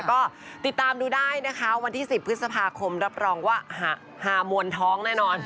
ก็ติดตามดูได้นะคะวันที่๑๐พฤษภาคมรับรองว่าฮามวลท้องแน่นอน